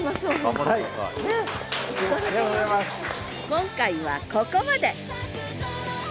今回はここまで！